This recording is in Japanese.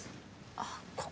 あっここ？